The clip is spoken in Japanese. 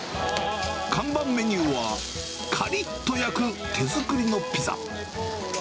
看板メニューは、かりっと焼く手作りのピザ。